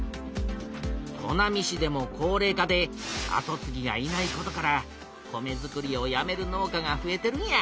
砺波市でも高れい化で後つぎがいないことから米づくりをやめる農家がふえてるんや。